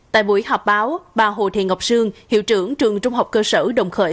tại buổi họp báo bà hồ thị ngọc sương hiệu trưởng trường trung học cơ sở đồng khởi